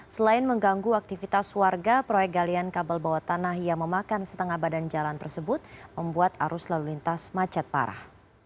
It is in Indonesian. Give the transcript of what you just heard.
selain mengganggu aktivitas warga proyek galian kabel bawah tanah yang memakan setengah badan jalan tersebut membuat arus lalu lintas macet parah